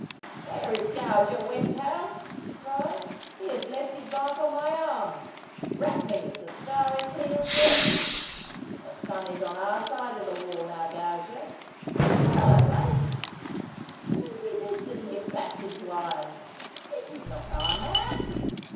'Where is Gauger Westhouse?' he cried; 'he has left his mark on my arm. Rat me, if the scar is healed yet. The sun is on our side of the wall now, gauger. But hullo, mates! Who be this that ye have clapped into irons? This is not our man!